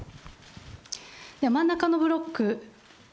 真ん中のブロック。